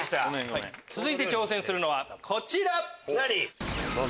続いて挑戦するのはこちら！